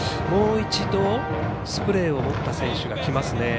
もう一度、スプレーを持った選手が来ました。